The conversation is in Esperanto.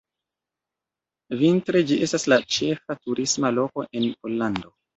Vintre, ĝi estas la ĉefa turisma loko en Pollando.